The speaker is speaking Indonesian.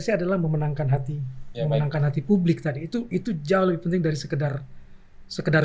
saya adalah memenangkan hati memenangkan hati publik tadi itu itu jauh lebih penting dari sekedar sekedar